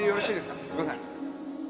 すいません。